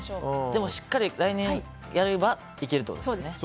でも、しっかり来年やればいけるってことですよね。